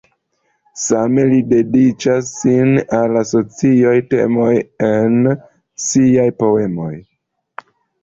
Same li dediĉas sin al sociaj temoj en siaj poemoj.